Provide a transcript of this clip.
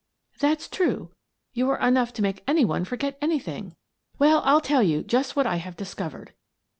" That's true. You are enough to make any one forget anything. Well, I'll tell you just what I have discovered.